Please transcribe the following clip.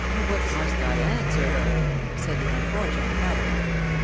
What must I answer her?" said the unfortunate fellow.